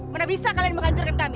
mana bisa kalian menghancurkan kami